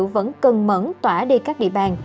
vẫn cần mẫn tỏa đi các địa bàn